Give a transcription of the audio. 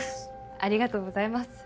ありがとうございます。